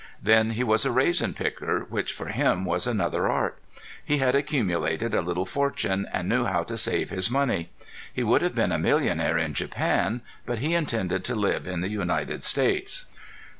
Then he was a raisin picker, which for him was another art. He had accumulated a little fortune and knew how to save his money. He would have been a millionaire in Japan, but he intended to live in the United States.